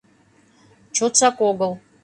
— Чотшак огыл.